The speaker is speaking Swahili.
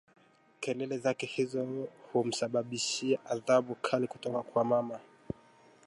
Kelele zake hizo humsababishia adhabu kali kutoka kwa mama